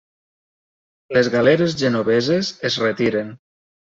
Les galeres genoveses es retiren.